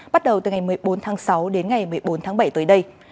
bắt đầu từ ngày một mươi bốn tháng sáu đến ngày một mươi bốn tháng bảy tới đây